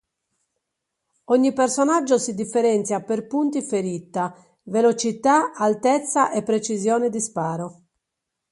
Ogni personaggio si differenzia per punti ferita, velocità, altezza e precisione di sparo.